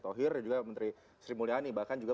tohir juga menteri sri mulyani bahkan juga